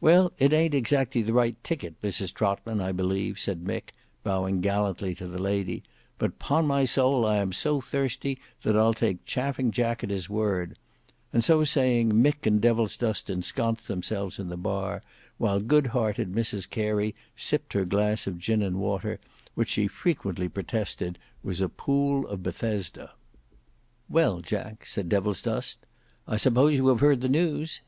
"Well it ayn't exactly the right ticket, Mrs Trotman, I believe," said Mick, bowing gallantly to the lady; "but 'pon my soul I am so thirsty, that I'll take Chaffing Jack at his word;" and so saying Mick and Devilsdust ensconced themselves in the bar, while good hearted Mrs Carey, sipped her glass of gin and water, which she frequently protested was a pool of Bethesda. "Well Jack," said Devilsdust, "I suppose you have heard the news?"